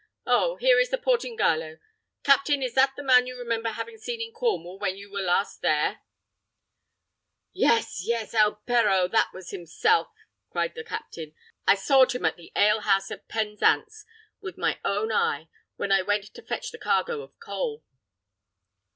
Oh! here is the Portingallo. Captain, is that the man you remember having seen in Cornwall when you were last there?" "Yes, yes, el Pero! that was himself!" cried the captain; "I sawed him at the ale house at Penzance with my own eye, when I went to fetch the cargo of coal."